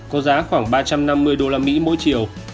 có giá khoảng ba trăm năm mươi usd mỗi chiều